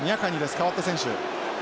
代わった選手。